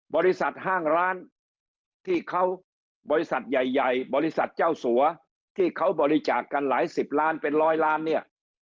ห้างร้านที่เขาบริษัทใหญ่ใหญ่บริษัทเจ้าสัวที่เขาบริจาคกันหลายสิบล้านเป็นร้อยล้านเนี่ย